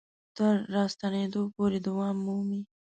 تر راستنېدو پورې دوام مومي.